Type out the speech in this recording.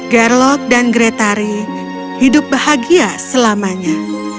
gerlok dan gretari hidup bahagia selamanya